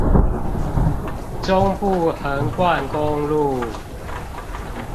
中部橫貫公路